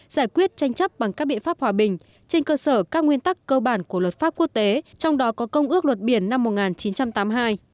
giải quyết tranh chấp bằng các biện pháp hòa bình trên cơ sở các nguyên tắc cơ bản của luật pháp quốc tế trong đó có công ước luật biển năm một nghìn chín trăm tám mươi hai